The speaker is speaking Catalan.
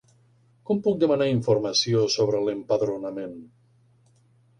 Com puc demanar informació sobre l'empadronament?